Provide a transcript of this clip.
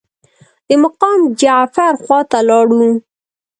د مقام جعفر خواته لاړو.